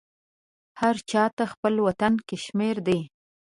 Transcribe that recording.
هر چاته خپل وطن کشمیر دی